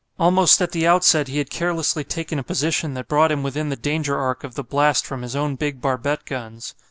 Almost at the outset he had carelessly taken a position that brought him within the danger arc of the blast from his own big barbette guns.